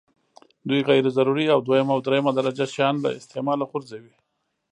دوی غیر ضروري او دویمه او درېمه درجه شیان له استعماله غورځوي.